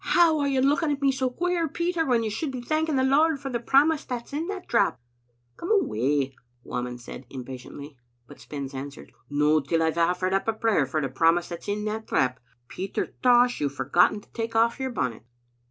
how are you looking at me so queer, Peter, when you should be thanking the Lord for the promise that's in that drap?" "Come away," Whamond said, impatiently; but Spens answered, "No till I've oflEered up a prayer for the promise that's in that drap. Peter Tosh, you've forgotten to take off your bonnet."